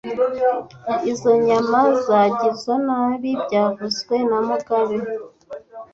Izoi nyama zagizoe nabi byavuzwe na mugabe